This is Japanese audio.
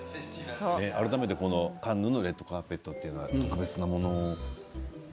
改めてカンヌのレッドカーペットは特別なものですか？